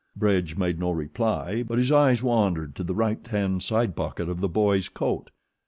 Bridge made no reply, but his eyes wandered to the right hand side pocket of the boy's coat.